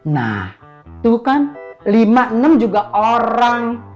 nah itu kan lima enam juga orang